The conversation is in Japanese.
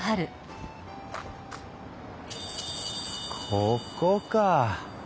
ここか。